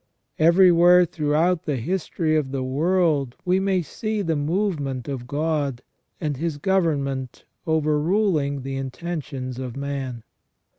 Everywhere throughout the his tory of the world we may see the movement of God, and His government overruling the intentions of man.